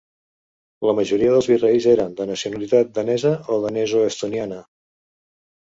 La majoria dels virreis eren de nacionalitat danesa o danesoestoniana.